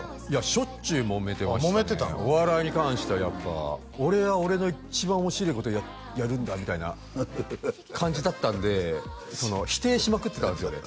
しょっちゅうもめてましたねお笑いに関してはやっぱ俺は俺の一番面白えことやるんだみたいな感じだったんで否定しまくってたんですよね